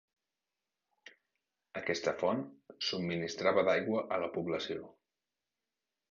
Aquesta font subministrava d'aigua a la població.